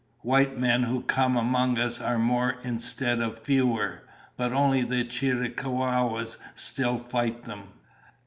White men who come among us are more instead of fewer, but only the Chiricahuas still fight them."